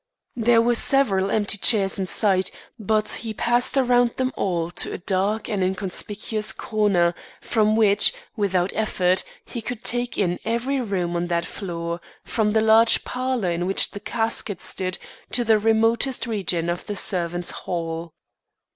There were several empty chairs in sight; but he passed around them all to a dark and inconspicuous corner, from which, without effort, he could take in every room on that floor from the large parlour in which the casket stood, to the remotest region of the servants' hall.